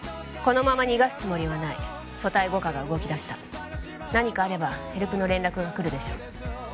このまま逃がすつもりはない組対５課が動きだした何かあればヘルプの連絡が来るでしょう